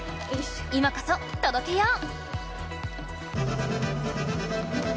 今こそ届けよう！